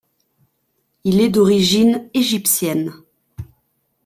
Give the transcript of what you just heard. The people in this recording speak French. Il est d'origine égyptienne.